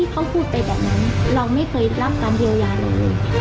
เขาพูดไปแบบนั้นเราไม่เคยรับการเยียวยาเราเลย